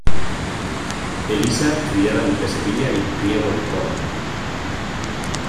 Elisa criada entre Sevilla y Priego de Córdoba.